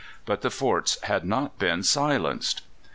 But the forts had not been silenced.